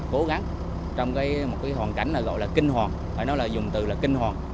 cố gắng trong một cái hoàn cảnh gọi là kinh hòn phải nói là dùng từ là kinh hòn